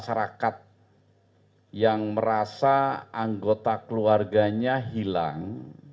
masyarakat yang merasa anggota keluarganya hilang